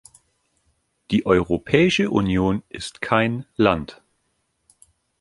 Die Europäische Union ist kein Land.